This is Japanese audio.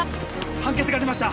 判決が出ました。